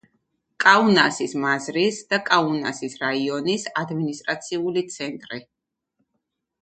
კაუნასის მაზრის და კაუნასის რაიონის ადმინისტრაციული ცენტრი.